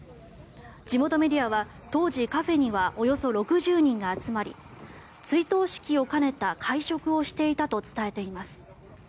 地元メディアは当時カフェにはおよそ６０人が集まり追悼式を兼ねた会食をしていたと伝えています。